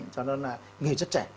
cho đó là người rất trẻ